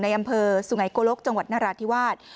อำเภอสุไงโกลกจังหวัดนราธิวาส